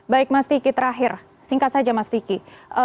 baik mas vicky terakhir singkat saja mas vicky